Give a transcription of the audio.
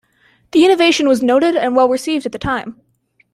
The innovation was noted and well received at the time.